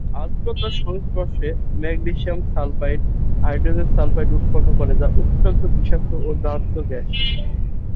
আর্দ্রতার সংস্পর্শে magnesium sulphide, hydrogen sulphide উৎপন্ন করে যা অত্যন্ত বিষাক্ত এবং দাহ্য গ্যাস।